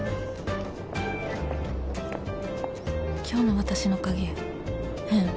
今日の私の影変